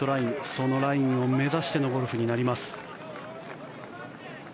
そのラインを目指してのゴルフになります。